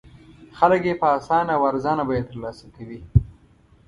خلک یې په اسانه او ارزانه بیه تر لاسه کوي.